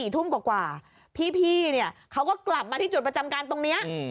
๔ทุ่มกว่าพี่เขาก็กลับมาที่จุดประจำการตรงนี้